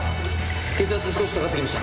血圧少し下がってきました。